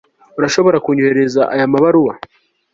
urashobora kunyoherereza aya mabaruwa